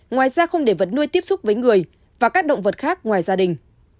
ngoài ra không để vật nuôi tiếp xúc với người và các động vật khác ngoài gia đình